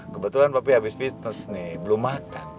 kebetulan papi habis bisnis nih belum makan